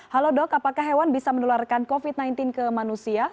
halo dok apakah hewan bisa menularkan covid sembilan belas ke manusia